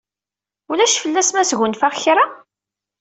Ulac fell-as ma sgunfaɣ kra?